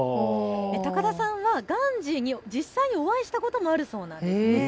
高田さんはガンジーに実際にお会いしたこともあるそうなんです。